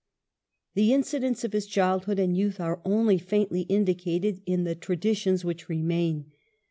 The incidents of his childhood and youth are only faintly indicated in the traditions which remain.